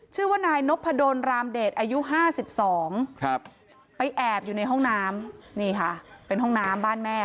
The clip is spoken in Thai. ชื่อว่านายนพดลรามเดชอายุ๕๒ไปแอบอยู่ในห้องน้ำนี่ค่ะเป็นห้องน้ำบ้านแม่